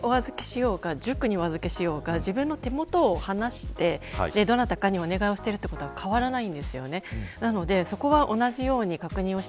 親の立場としては学校にお預けしようが塾にお預けしようが自分の手元を離してどなたかにお願いをしているということは変わらないんですよね。